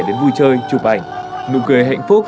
đến vui chơi chụp ảnh nụ cười hạnh phúc